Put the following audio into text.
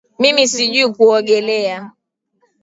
Mimi sijui kuogelea